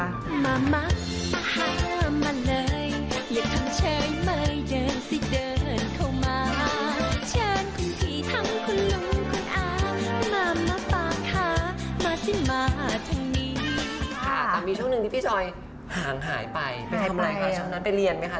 แต่มีช่วงหนึ่งที่พี่จอยห่างหายไปไปทำอะไรใครช่วงนั้นไปเรียนไหมคะ